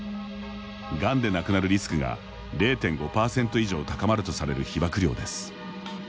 がんで亡くなるリスクが０．５％以上高まるとされる被曝量です。